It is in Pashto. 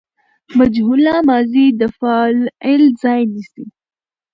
مجهوله ماضي د فاعل ځای نیسي.